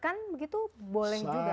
untuk membayarkan begitu boleh juga